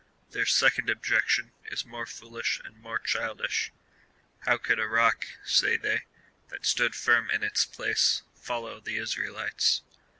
Their second objection is more fool ish and more childish —" How could a rock,'' say they, " that stood firm in its place, follow the Israelites